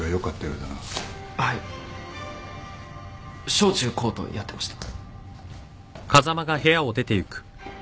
小中高とやってました。